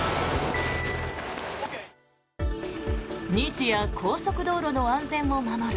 日夜、高速道路の安全を守る